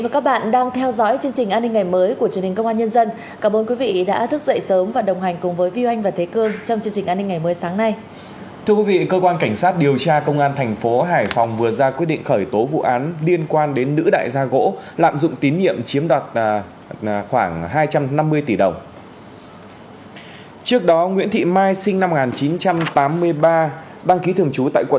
chào mừng quý vị đến với bộ phim hãy nhớ like share và đăng ký kênh của chúng mình nhé